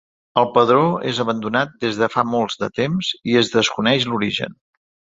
El pedró és abandonat des de fa molts de temps i es desconeix l'origen.